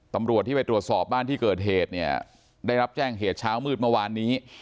ตำรวจที่ไปตรวจสอบบ้านที่เกิดเหตุเนี่ยได้รับแจ้งเหตุเช้ามืดเมื่อวานนี้